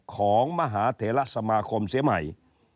ของมหาเทหลสมาคมเสมอใหม่